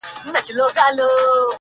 حمزه ستایه ښکلا چې دا د ژوند بله نامه ده